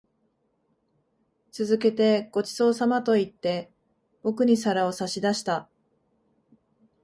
続けて、ご馳走様と言って、僕に皿を差し出した。